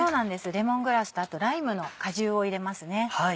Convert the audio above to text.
レモングラスとあとライムの果汁を入れますね。